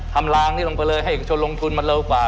ทำลางนี้ลงไปเลยให้เอกชนลงทุนมันเร็วกว่า